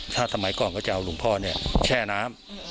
ถ้าสมัยก่อนก็จะเอาหลวงพ่อเนี่ยแช่น้ำ